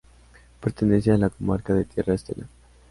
Pertenece a la comarca de Tierra Estella.